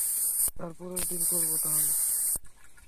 তার পরের দিন করবো, তাহলে।